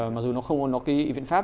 mặc dù nó không có viện pháp